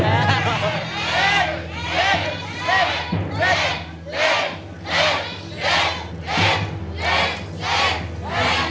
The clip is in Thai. เล่น